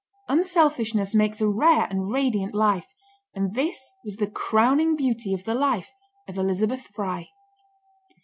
Unselfishness makes a rare and radiant life, and this was the crowning beauty of the life of Elizabeth Fry.